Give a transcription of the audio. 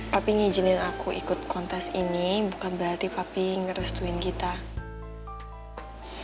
papi ngijinin aku ikut kontes ini bukan berarti papi ngerestuin gitu ya